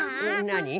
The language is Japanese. なに？